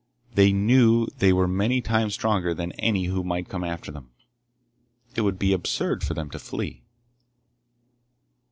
They knew they were many times stronger than any who might come after them. It would be absurd for them to flee....